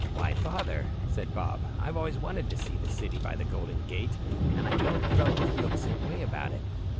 "Why, father," said Bob. "I've always wanted to see the city by the Golden Gate, and I know the fellows feel the same way about it.